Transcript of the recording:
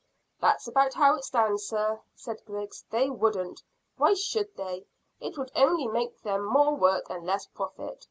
"That's about how it stands, sir," said Griggs. "They wouldn't. Why should they? It would only make them more work and less profit.